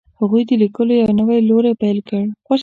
هغوی د لیکلو یو نوی لوری پیل کړ.